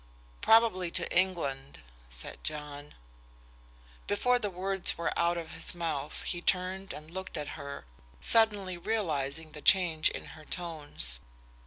"Probably to England," said John. Before the words were out of his mouth he turned and looked at her, suddenly realizing the change in her tones.